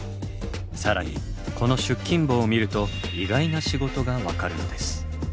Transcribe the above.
更にこの出勤簿を見ると意外な仕事が分かるのです。